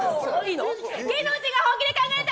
芸能人が本気で考えた！